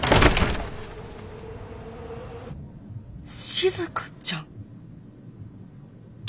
しずかちゃん。